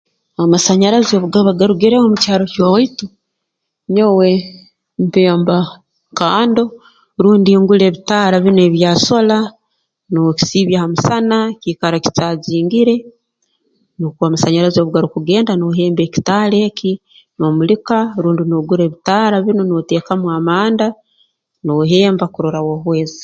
Amasanyarazi obu gaba garugire omu kyaro ky'owaitu nyowe mpemba kando rundi ngura ebitaara binu ebya sola nookisiibya ha musana kiikara kicaajingire nukwo amasanyarazi obu garukugenda noohemba ekitaara eki noomulika rundi n'ogura ebitaara binu nooteekamu amanda noohemba kurora wahweza